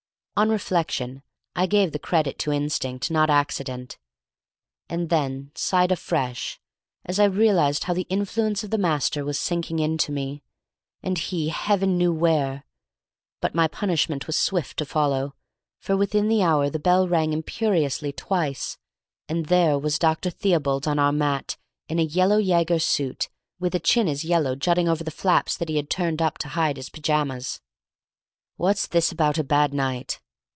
On reflection I gave the credit to instinct, not accident, and then sighed afresh as I realized how the influence of the master was sinking into me, and he Heaven knew where! But my punishment was swift to follow, for within the hour the bell rang imperiously twice, and there was Dr. Theobald on our mat; in a yellow Jaeger suit, with a chin as yellow jutting over the flaps that he had turned up to hide his pyjamas. "What's this about a bad night?"